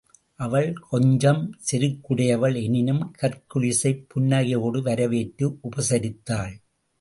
அவள், கொஞ்சம் செருக்குடையவள் எனினும், ஹர்குலிஸைப் புன்னகையோடு வரவேற்று உபசரித்தாள்.